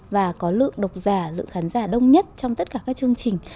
và có lượng độc giả lượng khán giả đông nhất trong tất cả các chương trình